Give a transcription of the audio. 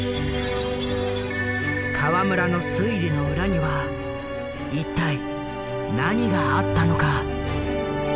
河村の推理の裏には一体何があったのか？